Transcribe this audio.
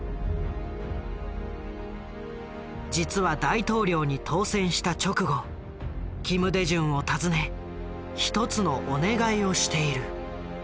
実は大統領に当選した直後金大中を訪ね一つのお願いをしている。